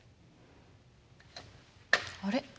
あれ？